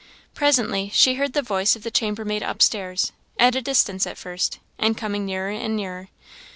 Presently she heard the voice of the chambermaid upstairs, at a distance at first, and coming nearer and nearer.